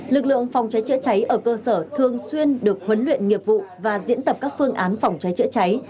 lực lượng phòng cháy chữa cháy ở cơ sở thường xuyên được huấn luyện nghiệp vụ và diễn tập các phương án phòng cháy chữa cháy